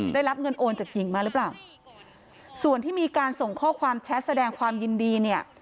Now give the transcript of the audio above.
ได้รับเงินโอนจากหญิงมาหรือเปล่าส่วนที่มีการส่งข้อความแชทแสดงความยินดีเนี่ย